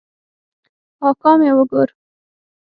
اکا مې وګوره.